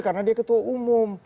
karena dia ketua umum